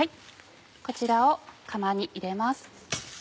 こちらを釜に入れます。